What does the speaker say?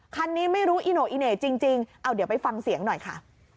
คันนี้ไม่รู้อีโน่อีเหน่จริงเอาเดี๋ยวไปฟังเสียงหน่อยค่ะ